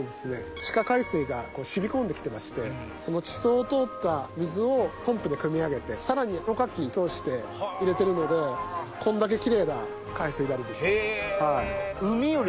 地下海水が染み込んできてましてその地層を通った水をポンプでくみ上げてさらにろ過機通して入れてるのでこんだけキレイな海水になるんです。